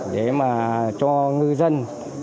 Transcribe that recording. để cho người dân